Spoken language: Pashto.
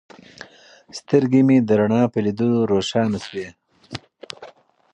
سترګې مې د رڼا په لیدلو روښانه شوې.